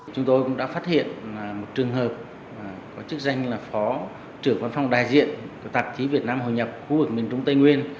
chúng tôi cũng đã phát hiện một trường hợp có chức danh là phó trưởng văn phòng đại diện của tạp chí việt nam hội nhập khu vực miền trung tây nguyên